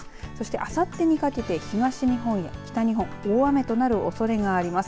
あさってにかけて東日本や北日本大雨となるおそれがあります。